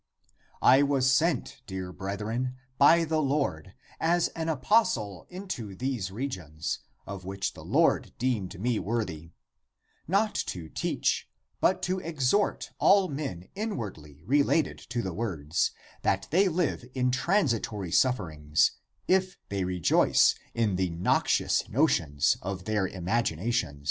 "I was sent, dear brethren, by the Lord as an apostle into these regions, of which the Lord deemed me worthy, not to teach but to exhort all men inwardly related to the words, that they live in transitory sufferings, if they rejoice in the nox ious notions of their imagination.